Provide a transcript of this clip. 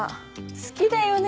好きだよね